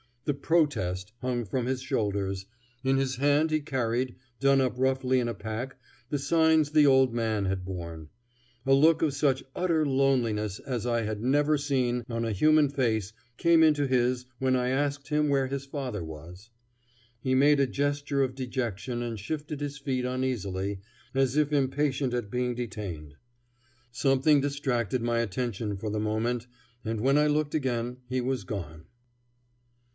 The "protest" hung from his shoulders; in his hand he carried, done up roughly in a pack, the signs the old man had borne. A look of such utter loneliness as I had never seen on a human face came into his when I asked him where his father was. He made a gesture of dejection and shifted his feet uneasily, as if impatient at being detained. Something distracted my attention for the moment, and when I looked again he was gone.